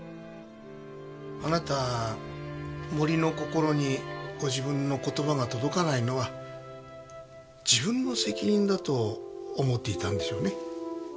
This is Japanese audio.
あなた森の心にご自分の言葉が届かないのは自分の責任だと思っていたんでしょうね。